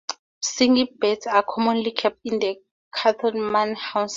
Singing-birds are commonly kept in the Guatemalan houses.